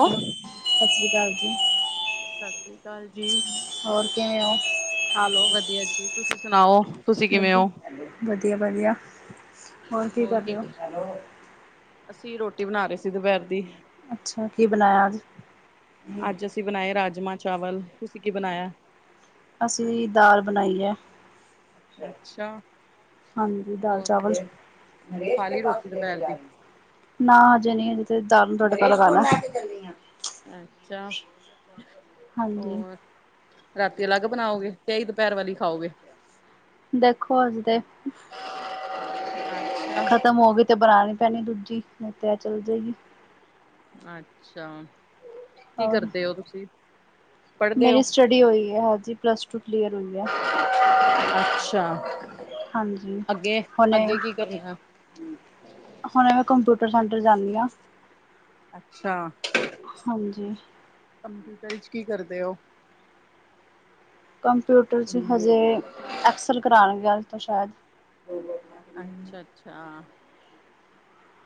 Hello, ਸਤ ਸ੍ਰੀ ਕਾਲ ਜੀ। ਸਤ ਸ੍ਰੀ ਕਾਲ ਜੀ। ਹੋਰ ਕਿਵੇਂ ਔ? ਆਲੋ, ਵਧੀਆ ਜੀ ਤੁਸੀਂ ਸੁਣਾਓ ਤੁਸੀਂ ਕਿਵੇਂ ਵਧ ਹੋ ਵਧੀਆ, ਵਧੀਆ। ਹੋਰ ਕੀ ਕਰ ਰੇ ਔ? ਅਸੀਂ ਰੋਟੀ ਬਣਾ ਰੇ ਸੀ ਦੁਪਿਹਰ ਦੀ। ਅੱਛਾ, ਕੀ ਬਣਾਇਆ ਅੱਜ? ਅੱਜ ਅਸੀਂ ਬਣਾਏ ਰਾਜਮਾਂ-ਚਾਵਲ। ਤੁਸੀਂ ਕੀ ਬਣਾਇਆ? ਅਸੀਂ ਵੀ ਦਾਲ ਬਣਾਈ ਐ। ਅੱਛਾ। ਹਾਂਜੀ, ਹੋਰ ਦਾਲ-ਚਾਵਲ। ਨਰੇਸ਼ ਖਾ ਕੇ ਲਈ ਪਾਸ ਰੋਟੀ ਲੇ ਕੇ ਦੁਪਹਿਰ ਜਾ ਦੀ ਰੀ। ਨਾ ਹਜੇ ਨੀ ਹਜੇ ਤੇ ਦਾਲ ਨੂੰ ਤੜਕਾ ਲਗਾਣੈ। ਅੱਛਾ, ਹਾਂਜੀ ਹੋਰ? ਰਾਤੀ ਅਲੱਗ ਬਣਾਓਗੇ? ਤੇ ਐਈ ਦੁਪੈਰ ਵਾਲੀ ਖਾਓਗੇ? ਦੇਖੋ ਹਜੇ ਤੇ। ਅੱਛਾ ਖਤਮ ਹੋ ਗੀ ਤੇ ਬਣਾਣੀ ਪੈਣੀ ਏ ਦੂਜੀ ਨਹੀਂ ਤੇ ਐ ਚੱਲ ਜੇਗੀ। ਅੱਛਾ, ਕੀ ਔਰ ਕਰਦੇ ਔ ਤੁਸੀਂ? ਪੜ੍ਹਦੇ ਹੋ ਮੇਰੀ ਸਟੱਡੀ ਹੋਈ ਹੈ ਹਾਂਜੀ, ਪਲੱਸ ਟੂ ਕਲੀਅਰ ਹੋਈ ਹੈ ਅੱਛਾ ਹਾਂਜੀ ਅੱਗੇ-ਅੱਗੇ ਕੀ ਕਰਨਾ-? - ਹੁਣ ਮੈਂ ਕੰਪਊਟਰ ਸੈਂਟਰ ਜਾਂਦੀ ਹਾਂ ਅੱਛਾ ਹਾਂਜੀ ਕੰਪਊਟਰ ਚ ਕੀ ਕਰਦੇ ਹੋ-? - ਕੰਪਿਊਟਰ ਚ ਹਜੇ ਐਕਸਲ ਕਰਾਉਣਗੇ ਅਜ ਤੋਂ ਸ਼ਾਇਦ ਅੱਛਾ-ਅੱਛਾ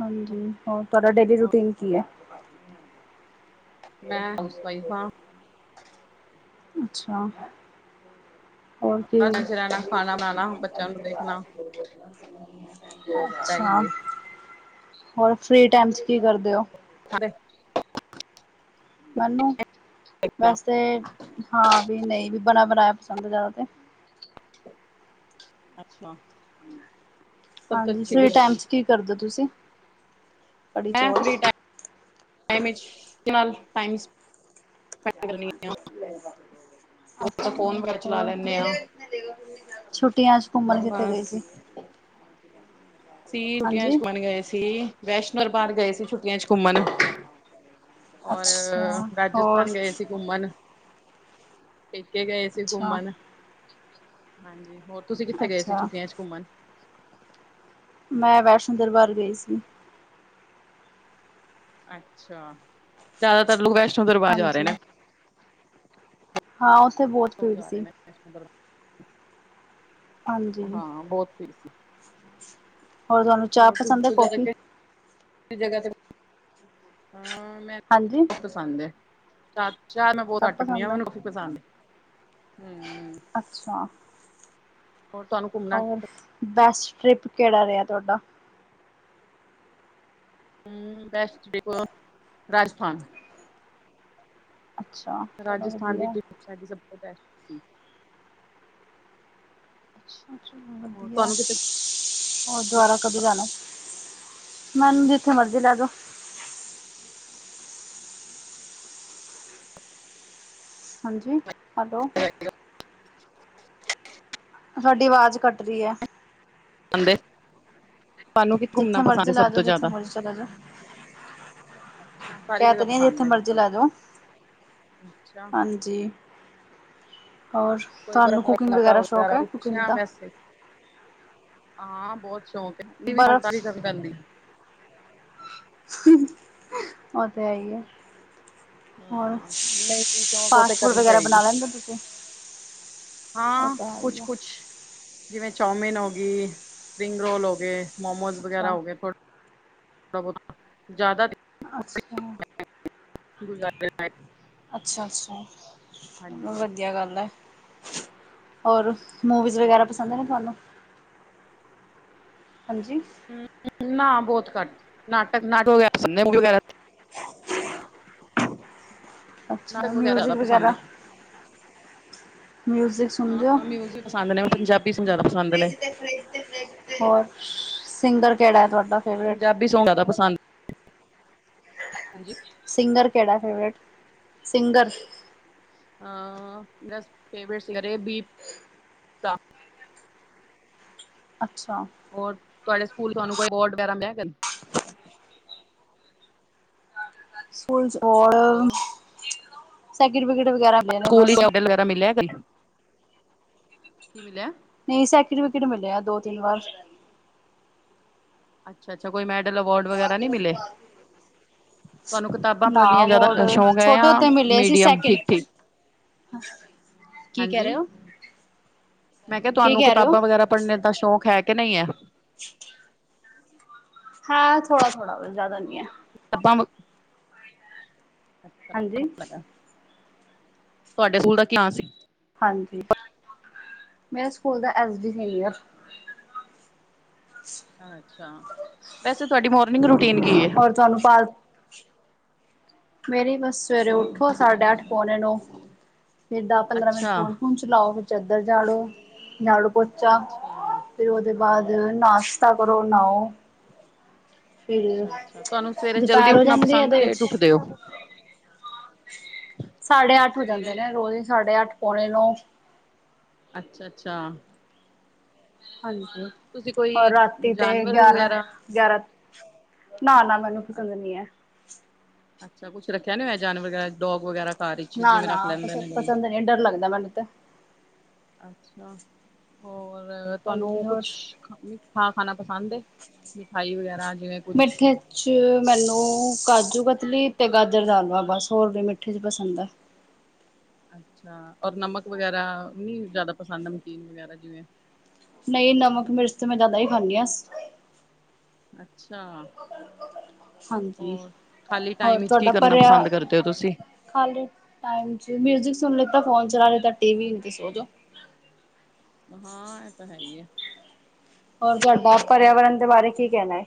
ਹਾਂਜੀ ਹੋਰ ਤੁਹਾਡਾ ਡੇਲੀ ਰੂਟੀਨ ਕੀ ਹੈ? ਮੈਂ ਹਾਊਸ ਵਾਈਫ ਹਾਂ ਅੱਛਾ ਹੋਰ ਕੀ ਬਸ ਰਹਿਣਾ ਖਾਣਾ ਬਣਾਣਾ ਬੱਚਿਆਂ ਨੂੰ ਦੇਖਣਾ ਬਸ ਦਾ ਅੱਛਾ, ਹੀ ਹੈ। ਹੋਰ ਫਰੀ ਟਾਈਮ ਚ ਕੀ ਕਰਦੇ ਹੋ? [unintelligible] ਮੈਨੂੰ ਵੈਸੇ ਹਾਂ ਵੀ ਨਹੀਂ ਵੀ ਬਣਾ ਬਣਾਇਆ ਪਸੰਦ ਹੈ ਜ਼ਿਆਦਾ ਤੇ ਅੱਛਾ ਸਭ ਤੋਂ ਹਾਂਜੀ, ਅੱਛੀ ਫਰੀ ਡਿਸ਼ ਟਾਈਮ ਚ ਕੀ ਕਰਦੇ ਤੁਸੀਂ ਕੜੀ ਚੋਲ ਟਾਮਚ ਇਸਮਾਲ ਟਾਈਮਸ ਆ ਅੱਛਾ ਫੋਨ ਵਗੈਰਾ ਚਲਾ ਹੋਰ ਲੈਂਦੇ ਆ ਛੁੱਟੀਆਂ ਚ ਘੁੰਮਣ ਕਿਤੇ ਗਏ ਬਸ ਸੀ? ਸੀ ਛੁੱਟੀਆਂ ਚ ਹਾਂਜੀ ਘੁਮਉਣ ਗਏ ਸੀ। ਵੈਸ਼ਨੋ ਦਰਬਾਰ ਗਏ ਸੀ ਛੁੱਟ ਟੀਆਂ ਚ ਘੁੰਮਣ ਔਰ ਅੱਛਾ ਹੋਰ ਰਾਜਸਥਾਨ ਗਏ ਸੀ ਘੁੰਮਣ-। ਪੇਕੇ ਗਏ ਸੀ ਅੱਛਾ ਘੁੰਮਣ ਹਾਂਜੀ, ਹੋਰ ਤੁਸੀਂ ਕਿੱਥੇ ਗਏ ਸੀ? ਅੱਛਾ ਛੁੱਟੀਆਂ ਚ ਘੁੰਮਣ। ਮੈਂ ਵੈਸ਼ਨੋ ਦਰਬਾਰ ਗਈ ਸੀ ਅੱਛਾ, ਜਿਆਦਾਤਰ ਲੋਕ ਵੈਸ਼ਨੋ ਦਰਬਾਰ ਜਾ ਰਹੇ ਹਾਂਜੀ ਨੇ ਹਾਂ ਉੱਥੇ ਬਹੁਤ ਲੋਕ ਭੀੜ ਜਾ ਰਹੇ ਸੀ ਨੇ ਹਾਂਜੀ ਹਾਂ ਬਹੁਤ ਭੀੜ ਸੀ ਹੋਰ ਤੁਹਾਨੂੰ ਚਾਹ ਹੋਰ ਪਸੰਦ ਹੈ ਤੁਸੀ ਜ਼ਿਆਦਾ ਕੌਫੀ ਤੇ ਜਗਹ ਤੇ ਮੈਂ ਹਾਂਜੀ ਪਸੰਦ ਹੈ। ਚਾਹ-ਚਾਹ ਮੈਂ ਬਹੁਤ ਸਭ ਘਟ ਪੀਦੀਂ ਆ, ਪਸੰਦ ਹੈ ਮੈਨੂੰ ਕਾਫ਼ੀ ਪਸੰਦ ਹੈ। ਅੱਛਾ ਹੋਰ ਤੁਹਾਨੂੰ ਘੁੰਮਣਾ ਉ ਫ ਬੈਸਟ ਟ੍ਰਿਪ ਕੇਹੜਾ ਰੇਹਾ ਤੁਹਾਡਾ। ਹੂੰ ਬੈਸਟ ਦੇਖੋ ਰਾਜਸਥਾਨ। ਅੱਛਾ ਚਲੋ ਰਾਜਸਥਾਨ ਦੀ ਵਧੀਆ ਟ੍ਰੀਪ ਸਾਡੀ ਸਭ ਤੋਂ ਬੈਸਟ ਸੀ। ਹੋਰ ਵਧੀਆ। ਤੁਹਾਨੂੰ ਕਿਤੇ ਹੋਰ ਦੁਬਾਰਾ ਕਦੋ ਜਾਣਾ, ਮੈਨੂੰ ਜਿੱਥੇ ਮਰਜ਼ੀ ਲੈ ਜੋ। ਹਾਂਜੀ ਹੈਲੋ। ਤੁਹਾਡੀ ਆਵਾਜ਼ ਕੱਟ ਰੀ ਹੈ। ਤੁਹਾਨੂੰ ਕਿ ਘੁੰਮਣਾ ਜਿੱਥੇ ਪਸੰਦ ਮਰਜ਼ੀ ਹੈ ਲੈ ਸਭ ਜਾਓ ਤੋਂ ਜਿੱਥੇ ਜ਼ਿਆਦਾ? ਮਰਜ਼ੀ ਚਲੇ ਜਾਓ ਅੱਛਾ ਸਾਰੀ ਕਹਿ ਤੇ ਜਗਾ ਰਹੀ ਹਾਂ ਜਿੱਥੇ ਪਸੰਦ ਹੈ ਮਰਜ਼ੀ ਮਤਲਬ ਲੈ ਜਾਓ ਅੱਛਾ। ਹਾਂਜੀ, ਹੋਰ? ਕੋਈ ਬਰਫ ਤੁਹਾਨੂੰ ਵਾਲਾ ਕੁਕਿੰਗ ਇਲਾਕਾ [unintelligible] ਵਗੈਰਾ ਸ਼ੌਕ ਹੋਰ ਹੈ ਕੁਕਿੰਗ ਪੁੱਛਿਆ ਦਾ ਵੈਸੇ। ਹਾਂ ਬਹੁਤ ਸ਼ੌਕ ਹੈ, ਐਦੀ ਵੀ ਬਰਫ਼ ਸ਼ੌਕਦਾਰੀ ਕਰਨੀ ਪੈਂਣ ਦੀ ਐ। ਉਹ ਤੇ ਹੈ ਹੀ ਐ। ਹੋਰ, ਹਾਂ ਨਹੀਂ ਸ਼ੌਕ ਉਹ ਤੇ ਫਾਸਟ ਫੂਡ ਕਰਨੀ ਵਗੈਰਾ ਬਣਾ ਪਏਗੀ ਲੈਂਦੇ ਹੋ ਤੁਸੀਂ? ਉਹ ਹਾਂ ਤਾਂ ਹੈ ਹੀ ਆ ਕੁਛ-ਕੁਛ ਜਿਵੇਂ ਚੌਮਿਨ ਹੋ ਗਈ, ਸਪਰਿੰਗ ਰੋਲ ਹੋ ਗਏ, ਮੋਮੋਸ ਅੱਛਾ ਵਗੈਰਾ ਹੋ ਗਏ ਥੋੜਾ ਥੋੜੇ ਬਹੁਤ ਜ਼ਿਆਦਾ ਨਹੀ। ਅਛਾ, ਗੁਜ਼ਾਰੇ ਅੱਛਾ-ਅੱਛਾ। ਹਾਂਜੀ। ਵਧੀਆ ਗੱਲ ਹੈ, ਹੋਰ ਮੂਵੀਜ਼ ਵਗੈਰਾ ਪਸੰਦ ਨੇ ਤੁਹਾਨੂੰ? ਹਾਂਜੀ। ਹੂੰ ਨਾ ਬਹੁਤ ਘੱਟ ਨਾਟਕ-ਨਾਟਕ ਨਹੀਂ ਮੁਵੀ ਵਗੈਰਾ। ਅੱਛਾ ਨਾਟਕ ਵਗੈਰਾ ਜਯਾਦਾ ਮਿਊਜ਼ਿਕ ਪਸੰਦ ਨੇ। ਮਿਊਜ਼ਿਕ ਸੁਣਦੇ ਹੋ ਹਾਂ ਮਿਊਜ਼ ਪਸੰਦ ਨੇ, ਪੰਜਾਬੀ ਸ ਜ਼ਿਆਦਾ ਪਸੰਦ ਨੇ। ਹੋਰ ਸਿੰਗਰ ਕਿਹੜਾ ਹੈ ਤੁਹਾਡਾ? ਫੇਵਰੇਟ ਪੰਜਾਬੀ ਸੌਂਗ ਜਾ਼ਦਾ ਪਸੰਦ ਨੇ, ਹਾਂਜੀ? ਸਿੰਗਰ ਕਿਹੜਾ ਫੇਵਰੇਟ, ਸਿੰਗਰ? ਆ ਮੇਰਾ ਫੇਵਰਿਟ ਸਿੰਗ ਏ ਬੀ ਪਰਾ ਅੱਛਾ! ਹੋਰ ਤੁਹਾਡੇ ਸਕੂਲ ਤੁਹਾਨੂੰ ਕੋਈ ਅਵੋਰਡ ਵਗੈਰਾ ਮਿਲਿਆ ਕਦੀ? ਸਕੂਲ 'ਚ ਹੈਲੋ ਆਵਡ ਸੈਕਿੰਫਕੈਟ ਵਗੈਰਾ ਮਿਲਿਆ ਹੋਇਆ ਸਕੂਲ ਵਿੱਚ ਬਸ। ਮੈਡਲ ਵਗੈਰਾ ਮਿਲਿਆ ਕਦੀ, ਕੀ ਮਿਲਿਆ? ਨਹੀਂ ਸੈਟੀਫਿਕੇਟ ਮਿਲਿਆ ਦੋ-ਤਿੰਨ ਵਾਰ। ਅੱਛਾ-ਅੱਛਾ, ਕੋਈ ਮੈਡਲ, ਅਵਾਰਡ ਵਗੈਰਾ ਨੀ ਮਿਲੇ? ਤੁਹਾਨੂੰ ਕਤਾਬਾਂ ਨਾ ਪੜਨੀਆਂ ਜ਼ਿਆਦਾ ਅ ਅਵਾਰਡ ਸ਼ੌਂਕ ਐ ਛੋਟੇ ਯਾ ਹੁੰਦੇ ਮਿਲੇ ਸੀ ਮੀਡੀਅਮ ਸੈਕਿੰਡ ਠੀਕ-ਠੀਕ? ਕੀ ਕਹਿ ਰਹੇ ਓ? ਮੈਂ ਕਿਹਾ ਤੁਹਾਨੂੰ ਕਿਤਾਬਾਂ ਵਗੈਰਾ ਪੜਨੇ ਦਾ ਸ਼ੌਕ ਹੈ ਕਿ ਨਹੀਂ ਐ? [unintelligible] ਹਾਂ ਥੋੜਾ-ਥੋੜਾ ਦੇ ਜ਼ਿਆਦਾ ਨੀ ਐ। ਹਾਂਜੀ [unintelligible] ਤੁਹਾਡੇ ਸਕੂਲ ਦਾ ਕੀ ਨਾ ਸੀ? ਹਾਂਜੀ, ਮੇਰੇ ਸਕੂਲ ਦਾ ਐਸ ਡੀ ਸੀਨੀਅਰ। ਅੱਛਾ, ਵੈਸੇ ਤੁਹਾਡੀ ਮੋਰਨਿੰਗ ਰੂਟੀਨ ਕੀ ਏ? ਹੋਰ ਤੁਹਾਨੂੰ ਪਾਲ ਮੇਰੀ ਬਸ ਸਵੇਰੇ ਉੱਠੋ ਸਾਢੇ ਅੱਠ, ਪੌਣੇ ਨੌਂ, ਫੇਰ ਦਸ ਪੰਦਰਾਂ ਮਿੰਟ ਅੱਛਾ ਫੋ਼ਨ-ਫੂਨ ਚ ਨੋ ਵਿ ਚੱਦਰ ਝਾੜੋ, ਝਾੜੂ-ਪੋਚਾ ਅੱਛਾ ਫੇ਼ਰ ਉਹਦੇ ਬਾਅਦ ਹਾਂ ਨਾਸ਼ ਸਵਰੋ ਨਾਓ। ਅੱਛਾ ਅੱਛਾ ਤੁਹਾਨੂੰ ਸਵੇਰੇ ਜਲਦੀ ਦੁਪਹਿਰ ਹੋ ਉੱਠਣਾ ਜਾਂਦੀ ਹੈ ਪਸੰਦ ਇਹਦੇ ਵਿੱਚ ਲੇਟ ਉੱਠਦੇ ਓ? ਸਾਢੇ ਅੱਠ ਹੋ ਜਾਂਦੇ ਨੇ ਰੋਜ਼ ਸਾਢੇ ਅੱਠ ਪੌਣੇ ਨੌਂ। ਅੱਛਾ ਅੱਛਾ! ਹਾਂਜੀ ਤੁਸੀਂ ਹੋਰ ਕੋਈ ਰਾਤੀ ਤੇ ਜਾਨਵਰ ਗਿਆਰਾਂ। ਵਗੈਰਾ ਗਿਆਰਾਂ ਨਾਨਾ ਮੈਨੂੰ ਪਸੰਦ ਨੀ ਐ। ਅੱਛਾ ਕੁੱਛ ਰੱਖਿਆ ਨੀ ਹੋਇਆ ਜਾਨਵ ਵਗੈਰਾ ਡੌਗ ਵਗੈਰਾ ਘਰ ਵਿੱਚ ਜਿਵੇਂ ਰੱਖ ਲੈਂਦੇ ਨੇ ਨਈ ਡਰ ਲੱਗਦਾ ਮੈਨੂੰ ਤਾਂ। ਅੱਛਾ, ਹੋਰ ਹਾਂਜੀ ਤੁਹਾਨੂੰ ਹੋਰ ਕੁਛ ਮਿੱਠਾ ਖਾਣਾ ਪਸੰਦ ਏ? ਮਿਠਾਈ ਵਗੈਰਾ ਜਿਵੇਂ ਕੁਛ? ਜੀ ਮੈਨੂੰ ਕਾਜੂ ਕਤਲੀ ਤੇ ਗਾਜਰ ਦਾਲਵਾ ਬਸ ਹੋਰ ਨੀ ਮਿੱਠੇ 'ਚ ਪਸੰਦ ਐ। ਅੱਛਾ ਔਰ ਨਮਕ ਵਗ਼ੈਰਾ ਨੀ ਜ਼ਿਆਦਾ ਪਸੰਦ ਨਮਕੀਨ ਵਗੈ਼ਰਾ ਜਿਵੇਂ? ਨਹੀਂ ਨਮਕ ਮਿਰਚ ਤੇ ਮੈਂ ਜ਼ਿਆਦਾ ਹੀ ਖਾਂਨੀ ਆਂ। ਅੱਛਾ! ਹਾਂਜੀ ਹੋਰ ਖਾਲੀ ਹੋਰ ਟਾਈਮ 'ਚ ਕੀ ਤੁਹਾਡਾ ਕਰਨਾ ਭਰਿਆ ਪਸੰਦ ਕਰਦੇ ਓ ਤੁਸੀਂ? ਖਾਲੀ ਟਾਇਮ 'ਚ ਮਿਊਜਿਕ ਸੁਣ ਲਿੱਤਾ ਫੋਨ ਚਲਾ ਲਿੱਤਾ ਟੀ ਵੀ ਵੇਖ ਕੇ ਸੋਜੋ। ਹਾਂ ਇਹ ਤਾਂ ਹੈ ਏ ਐ। ਔਰ ਤੁਹਾਡਾ ਪਰਿਆਵਰਨ ਦੇ ਬਾਰੇ ਕੀ ਕਹਿਣਾ ਐ?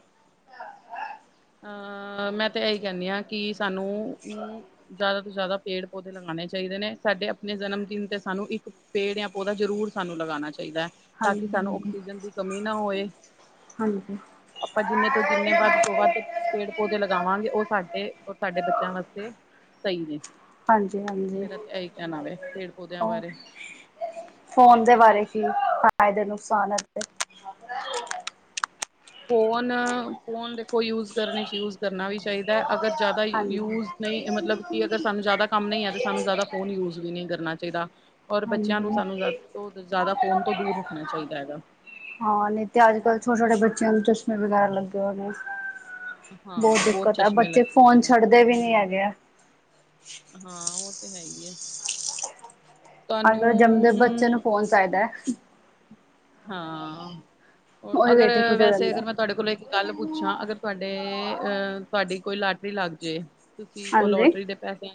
ਅਹ ਮੈਂ ਤੇ ਇਹੀ ਕਹਿੰਨੀ ਆਂ ਕਿ ਸਾਨੂੰ ਅ ਜ਼ਿਆਦਾ ਤੋਂ ਜ਼ਿਆਦਾ ਪੇੜ ਪੌਦੇ ਲਗਾਣੇ ਚਾਹੀਦੇ ਨੇ ਸਾਡੇ ਆਪਣੇ ਜਨਮ ਦਿਨ ਤੇ ਸਾਨੂੰ ਇੱਕ ਪੇੜ ਯਾ ਪੌਦਾ ਜ਼ਰੂਰ ਸਾਨੂੰ ਲਗਾਣਾ ਚਾਹੀਦੈ ਤਾਂ ਹਾਂਜੀ ਕਿ ਸਾਨੂੰ ਹਾਂਜੀ ਆਕਸੀਜਨ ਦੀ ਕਮੀ ਨਾ ਹੋਏ ਹਾਂਜੀ ਆਪਾਂ ਜਿੰਨੇ ਤੋਂ ਜਿੰਨੇ ਵੱਧ ਤੋਂ ਵੱਧ ਪੇੜ ਪੌਦੇ ਲਗਾਵਾਂਗੇ ਉਹ ਸਾਡੇ ਔਰ ਸਾਡੇ ਬੱਚਿਆਂ ਵਾਸਤੇ ਸਈ ਨੇ। ਹਾਂਜੀ ਹਾਂਜੀ! ਮੇਰਾ ਤਾਂ ਇਹੀ ਕਹਿਣਾ ਵੈ ਪੇੜ ਪੌਦਿਆਂ ਹੋਰ ਬਾਰੇ। ਫੋਨ ਦੇ ਬਾਰੇ ਕੀ ਫਾ਼ਇਦੇ ਨੁਕਸਾਨ ਐ? ਫੋਨ, ਫੋਨ ਦੇਖੋ ਯੂਜ ਕਰਨੇ ਚ ਯੂਜ ਕਰਨਾ ਵੀ ਚਾਹੀਦਾ ਅਗਰ ਜ਼ਿਆਦਾ ਹਾਂਜੀ ਯੂਜ਼ ਨਹੀਂ ਮਤਲਬ ਕਿ ਅਗਰ ਸਾਨੂੰ ਜ਼ਿਆਦਾ ਕੰਮ ਨਹੀਂ ਹੈ ਤਾਂ ਸਾਨੂੰ ਜ਼ਿਆਦਾ ਫੋਨ ਯੂਜ ਵੀ ਨਹੀਂ ਕਰਨਾ ਚਾਹੀਦਾ। ਔਰ ਬੱਚਿਆਂ ਹਾਂਜੀ। ਨੂੰ ਸਾਨੂੰ ਜ਼ਿਆ ਤੋਂ ਜ਼ਿਆਦਾ ਫੋਨ ਤੋਂ ਦੂਰ ਰੱਖਣਾ ਚਾਹੀਦਾ ਹੈਗਾ। ਹਾਂ ਨਹੀਂ ਤੇ ਅੱਜ ਕੱਲ੍ਹ ਛੋਟੇ, ਛੋਟੇ ਬੱਚਿਆਂ ਨੂੰ ਚਸ਼ਮੇ ਵਗੈਰਾ ਲੱਗੇ ਹੋਣੇ। ਬਹੁਤ ਹਾਂ ਦਿੱਕਤ ਆ ਚਸ਼ਮੇ ਬੱਚੇ ਲੱਗੇ ਹੋਏ ਫੋਨ ਨੇ ਛੱਡਦੇ ਵੀ ਨੀ ਹਮ ਹੈਗੇ ਆ। ਹਾਂ ਉਹ ਤੇ ਹੈ ਹੀ ਏ ਅੱਜ ਕਲ ਜੰਮਦੇ ਬੱਚੇ ਨੂੰ ਫੋਨ ਚਾਹੀਦਾ। ਹਾਂ ਉਹੀ ਅਗਰ ਵੇਖ ਕੇ ਖੁਸ਼ ਹੋ ਵੈਸੇ ਜਾਂਦਾ ਅਗਰ ਮਤ ਤੁਹਾਡੇ ਕੋਲੋਂ ਇੱਕ ਗੱਲ ਪੁੱਛਾਂ ਅਗਰ ਤੁਹਾਡੇ ਅ ਤੁਹਾਡੀ ਕੋਈ ਲਾਟਰੀ ਲੱਗ ਜੇ ਤੁਸੀਂ ਉਹ ਹਾਂਜੀ। ਲੋਟਰੀ ਦੇ ਪੈਸਿਆਂ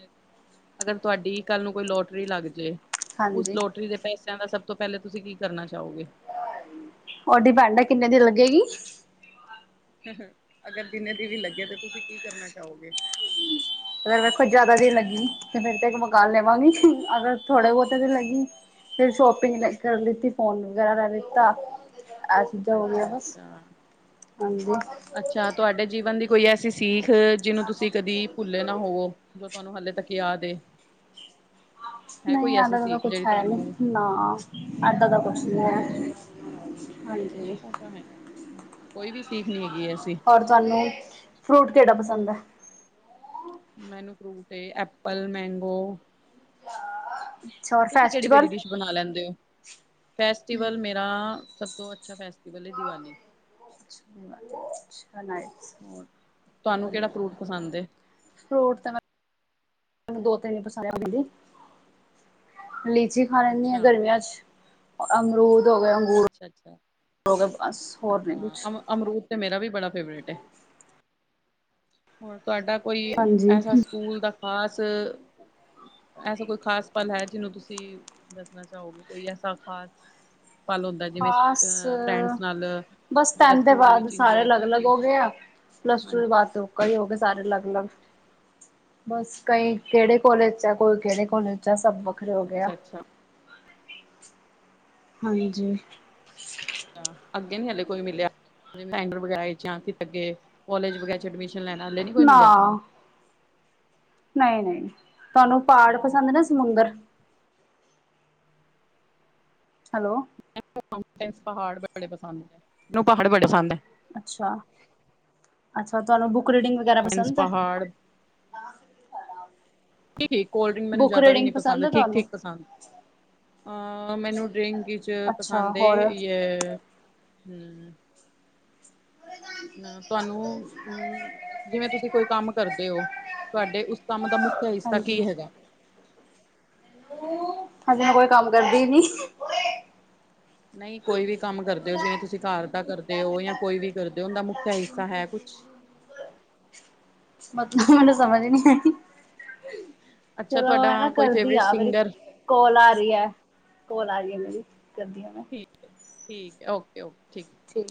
ਅਗਰ ਤੁਹਾਡੀ ਕੱਲ ਨੂੰ ਕੋਈ ਲੋਟਰੀ ਲੱਗ ਜੇ ਉਸ ਹਾਂਜੀ ਲੋਟਰੀ ਦੇ ਪੈਸਿਆਂ ਦਾ ਸਭ ਤੋਂ ਪਹਿਲੇ ਤੁਸੀਂ ਕੀ ਕਰਨਾ ਚਾਹੋਗੇ। ਉਹ ਡਿਪੈਂਡ ਹੈ ਕਿੰਨੇ ਦਿਨ ਲੱਗੇਗੀ। ਅਗਰ ਜਿੰਨੇ ਦੀ ਵੀ ਲੱਗੇ ਤੇ ਤੁਸੀਂ ਕੀ ਕਰਨਾ ਚਾਹੋਗੇ। ਅਗਰ ਵੇਖੋ ਜਿਆਦਾ ਦੇ ਲੱਗੀ ਤੇ ਫਿਰ ਤੇ ਇੱਕ ਮਕਾਨ ਲੇ ਵਾਂਗੀ ਅਗਰ ਥੋੜੇ ਬਹੁਤੇ ਤੇ ਲੱਗੀ ਫੇਰ ਸ਼ੋਪਿੰਗ ਕਰ ਲਤੀ ਫੋਨ ਵਗੈਰਾ ਲੈ ਲਿੱਤਾ। ਆ ਚੀਜ਼ਾਂ ਹੋਗੀਆਂ ਅੱਛਾ ਬਸ ਹਾਂਜੀ। ਜਾਂ ਤੁਹਾਡੇ ਜੀਵਨ ਦੀ ਕੋਈ ਐਸੀ ਸੀਖ ਜਿਹਨੂੰ ਤੁਸੀਂ ਕਦੀ ਭੁੱਲੇ ਨਾ ਹੋਵੋ। ਜੋ ਤੁਹਾਨੂੰ ਹਾਲੇ ਤੱਕ ਯਾਦ ਏ। ਹੈ ਕੋਈ ਨਹੀਂ ਐਸੀ ਇੱਦਾਂ ਦਾ ਸੀਖ ਕੁਛ ਜਿਹੜੀ ਹੈ ਤੁਹਾਨੂੰ ਨਹੀਂ ਨਾ ਇੱਦਾਂ ਦਾ ਕੁਛ ਨੀ ਅੱਛਾ ਹੈ। ਹਾਂਜੀ। ਉਹ ਤਾਂ ਹੈ ਕੋਈ ਵੀ ਸੇਫ ਨੀ ਹੈਗੀ ਐਸੀਂ। ਹੋਰ ਤੁਹਾਨੂੰ ਫਰੂਟ ਕਿਹੜਾ ਪਸੰਦ ਹੈ? ਮੈਨੂੰ ਫਰੂਟ ਏ ਐਪਲ, ਮੈਂਗੋ। ਅੱਛਾ ਔਰ ਤੁਸੀਂ ਕਿਹੜੀ, ਫੈਸਟੀਵਲ ਕਿਹੜੀ ਡਿਸ਼ ਬਣਾ ਲੈਂਦੇ ਹੋ ਫੈਸਟੀਵਲ ਮੇਂ? ਤਾਂ ਸਭ ਤੋਂ ਅੱਛਾ ਫੈਸਟੀਵਲ ਏ ਦੀਵਾਲੀ। ਸਣੇ [unintelligible] ਹੋਰ ਤੁਹਾਨੂੰ ਕਿਹੜਾ ਫਰੂਟ ਪਸੰਦ ਏ? ਫਰੂਟ ਤੇ ਮੈ ਦੋ ਤਿੰਨ ਪਸੰਦ ਲੀਚੀ ਖਾ ਲੈਦੀ ਆ ਅੱਛਾ, ਗਰਮੀਆਂ ਚ ਅਮਰੂਦ ਹੋ ਗਏ ਅੰਗੂਰ ਅੱਛਾ-ਅੱਛਾ ਹੋ ਗਏ ਬਸ ਹੋਰ ਨੀ ਹਾਂ ਕੁਛ। ਅਮ ਅਮਰੂਦ ਤੇ ਮੇਰਾ ਵੀ ਬੜਾ ਫੇਵਰੇਟ ਹੈ ਹੋਰ ਤੁਹਾਡਾ ਕੋਈ ਹਾਂਜੀ ਐਸਾ ਸਕੂਲ ਦਾ ਖਾਸ ਐਸਾ ਕੋਈ ਖਾਸ ਪਲ ਹੈ ਜਿਹਨੂੰ ਤੁਸੀਂ ਦੱਸਣਾ ਚਾਹੋ ਕੋਈ ਐਸਾ ਖਾਸ ਪਲ ਹੁੰਦਾ। ਜਿਵੇਂ ਖਾਸ, ਅ ਫਰੈਂਡਸ ਨਾਲ ਬਸ ਜਿਹੜਾ ਟੇਨਥ ਦੇ ਸਕੂਲ ਬਾਅਦ ਵਿੱਚ ਸਾਰੇ ਇੰਜੋਏ ਅਲੱਗ, ਅਲੱਗ ਕੀਤੀ ਹੋ ਗਏ ਆ੍। ਪਲੱਸ ਟੂ ਦੇ ਹਾਂਜੀ ਬਾਅਦ ਤੋਂ ਕਈ ਹੋ ਗਏ ਸਾਰੇ ਅਲੱਗ, ਅਲੱਗ ਬਸ ਕੋਈ ਕਿਹੜੇ ਹਾਂ ਕੋਲੇਜ ਚ ਆ ਕੋਈ ਕਿਹੜੇ ਕੋਲੇਜ ਚ ਆ ਸਭ ਵਖਰੇ ਹੋ ਗਏ ਆ। ਅੱਛਾ-ਅੱਛਾ ਹਾਂਜੀ। ਅੱਗੇ ਨੀ ਹਲੇ ਕੋਈ ਮਿਲਿਆ ਡੀਵੇੈਂਡਰ ਵਗੈਰਾ ਜਾਂ ਅੱਗੇ ਕੋਲੇਜ ਵਗੈਰਾ ਵਿੱਚ ਐਡਮਿਸ਼ਨ ਲੈਣੇ ਹਲੇ ਕੋਈ ਨਾ ਮਿਲਿਆ ਤੁਹਾਨੂੰ। ਨਹੀਂ, ਨਹੀਂ ਤੁਹਾਨੂੰ ਪਹਾੜ ਅੱਛਾ। ਪਸੰਦ ਨਾ ਸਮੁੰਦਰ ਹੈਲੋ। ਮੈਨੂੰ ਤੇ ਪਹਾੜ ਬੜੇ ਪਸੰਦ ਮੈਨੂੰ ਪਹਾੜ ਬੜੇ ਪਸੰਦ ਹੈ। ਅੱਛਾ। ਅੱਛਾ ਤੁਹਾਨੂੰ ਬੁੱਕ ਰੀਡਿੰਗ ਵਗੈਰਾ ਮਾਊਂਟੇਨਸ ਪਸੰਦ ਹੈ? ਪਹਾੜ ਹਾਂ ਠੀਕ ਕੋਲਡ ਡਰਿਕ ਮੈਨੁੰ ਬੁੱਕ ਜਿਆਦਾ ਵੀ ਨੀ ਰੀਡਿੰਗ ਪਸੰਦ ਹੈ ਠੀਕ, ਤੁਹਾਨੂੰ। ਠੀਕ ਪਸੰਦ ਅਹ ਮੈਨੂੰ ਡਰਿੰਕ ਚ ਅੱਛਾ ਪਸੰਦ ਏ ਹੋਰ ਯੇ ਹਮ ਅ ਤੁਹਾਨੂੰ ਹਮ ਜਿਵੇਂ ਤੁਸੀਂ ਕੋਈ ਕੰਮ ਕਰਦੇ ਹੋ ਤੁਹਾਡੇ ਉਸ ਕੰਮ ਦਾ ਮੁ ਤੇ ਇਸਦਾ ਕੀ ਹੈਗਾ। ਹਾਂਜੀ ਮੈ ਕੋਈ ਕੰਮ ਕਰਦੀ ਨੀ- ਨਹੀ ਕੋਈ ਵੀ ਕੰਮ ਕਰਦਾ- ਤੇ ਜੇ ਤੁਸੀਂ ਤੁਸੀ ਘਰ ਦਾ ਕਰਦੇ ਹੋ ਜਾਂ ਕੋਈ ਵੀ ਕਰਦੇ ਹੋ ਉਹਦਾ ਮੁੱਖਿਆ ਹਿੱਸਾ ਹੈ ਕੁਛ? ਮਤਲਬ ਮੈਨੂੰ ਸਮਝ ਨੀ ਆਈ। ਅੱਛਾ ਚਲੋ ਤੁਹਾਡਾ ਮੈ ਨਾ ਕੋਈ ਕਰਦੀ ਫੇਵਰੇਟ ਆ ਮੇਰੀ ਸਿੰਗਰ ਕੋਲ ਆ ਰਹੀ ਹੈ ਕੋਲ ਆ ਰਹੀ ਹੈ ਮੇਰੀ ਕਰਦੀ ਆ ਮੈ- ਠੀਕ ਹੈ ਓਕੇ- ਓਕੇ ਠੀਕ- ਠੀਕ